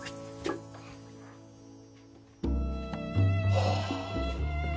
ああ。